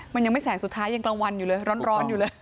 มันยังไม่แสงสุดท้ายยังกลางวันอยู่เลยร้อนอยู่เลย